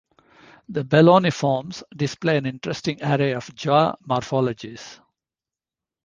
The beloniforms display an interesting array of jaw morphologies.